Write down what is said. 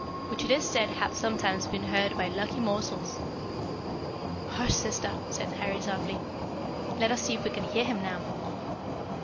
which it is said have sometimes been heard by lucky mortals." "Hush, sister," said Harry softly; "let us see if we can hear him now."